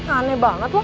aneh banget lo